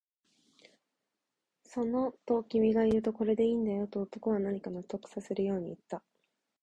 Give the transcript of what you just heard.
その、と君が言うと、これでいいんだよ、と男は何かを納得させるように言った